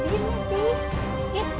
kenapa bisa begini sih